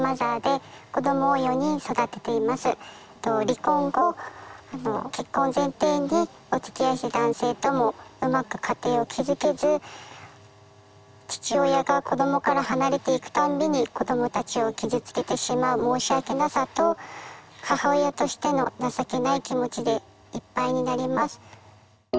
離婚後結婚前提におつきあいした男性ともうまく家庭を築けず父親が子どもから離れていくたんびに子どもたちを傷つけてしまう申し訳なさと母親としての情けない気持ちでいっぱいになります。